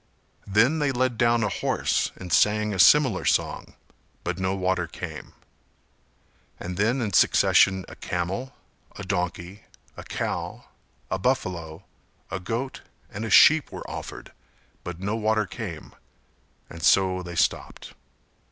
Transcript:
Then they led down a horse and sang a similar song, but no water came; and then in succession a camel, a donkey, a cow, a buffalo, a goat and a sheep were offered but no water came; and so they stopped.